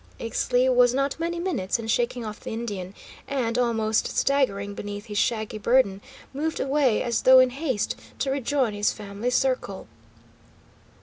Ixtli was not many minutes in shaking off the Indian, and, almost staggering beneath his shaggy burden, moved away as though in haste to rejoin his family circle.